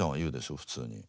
普通に。